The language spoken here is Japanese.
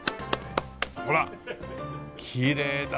ほらきれいだね。